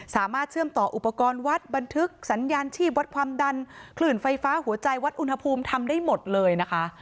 เชื่อมต่ออุปกรณ์วัดบันทึกสัญญาณชีพวัดความดันคลื่นไฟฟ้าหัวใจวัดอุณหภูมิทำได้หมดเลยนะคะ